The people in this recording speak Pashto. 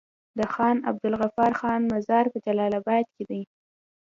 د خان عبدالغفار خان مزار په جلال اباد کی دی